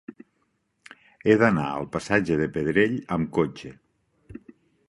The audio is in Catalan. He d'anar al passatge de Pedrell amb cotxe.